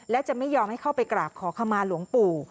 และจะไม่ยอมให้เข้าไปกราบขอขมาหลวงปู่